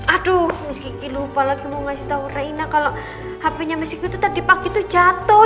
aduh miss kiki lupa lagi mau ngasih tau rena kalau hape nya miss kiki tadi pagi tuh jatoh